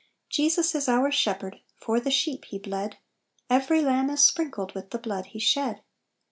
"Jeans is our Shepherd, For the sheep He bled; Every lamb is sprinkled With the blood He shed.